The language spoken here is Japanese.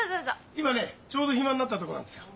今ねちょうど暇になったとこなんですよ。